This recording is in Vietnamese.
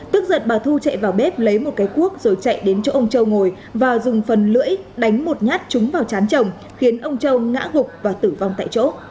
tức giận bà thu chạy vào bếp lấy một cái cuốc rồi chạy đến chỗ ông châu ngồi và dùng phần lưỡi đánh một nhát trúng vào chán chồng khiến ông châu ngã gục và tử vong tại chỗ